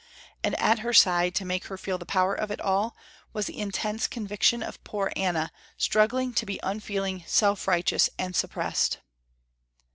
And at her side to make her feel the power of it all, was the intense conviction of poor Anna, struggling to be unfeeling, self righteous and suppressed.